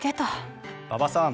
馬場さん